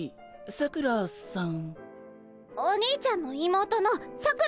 さくらさん！